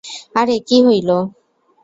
আরে কী হইলো?